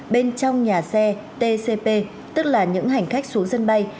bên trong nhà xe tcp tức là những hành khách xuống sân bay